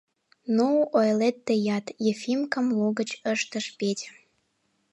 — Ну, ойлет тыят, — Ефимкам лугыч ыштыш Петя.